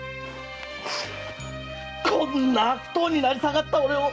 こんな悪党になりさがった俺を！